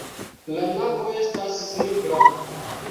La navo estas simpla.